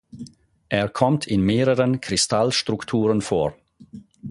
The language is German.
Er kommt in mehreren Kristallstrukturen vor.